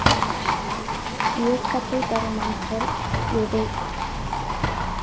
இயக்கத்தைத் தரும் ஆற்றல், எ டு.